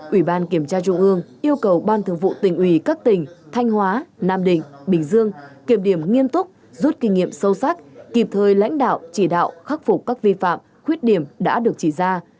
ủy ban kiểm tra trung ương yêu cầu ban thường vụ tỉnh ủy các tỉnh thanh hóa nam định bình dương kiểm điểm nghiêm túc rút kinh nghiệm sâu sắc kịp thời lãnh đạo chỉ đạo khắc phục các vi phạm khuyết điểm đã được chỉ ra